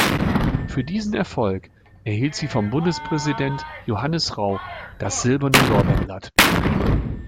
Für diesen Erfolg erhielt sie von Bundespräsident Johannes Rau das Silberne Lorbeerblatt.